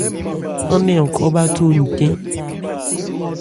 Án nɛn an khɔ́ bháthó ncɛ́n.